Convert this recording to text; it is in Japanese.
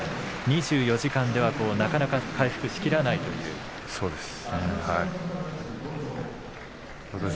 ２４時間では、なかなか回復しきれないですか。